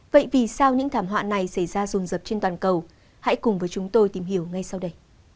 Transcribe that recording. vậy vì sao những thảm họa này xảy ra rồn rập trên toàn cầu hãy cùng với chúng tôi tìm hiểu ngay sau đây